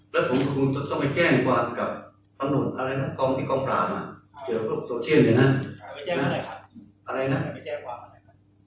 เราไม่แจ้งกว่าอะไรครับอะไรน่ะไม่แจ้งกว่าอะไร